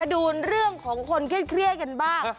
ดูเรื่องของคนเครียดกันบ้าง